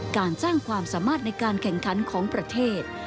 การสร้างความสามารถในการแข่งขันของประเทศ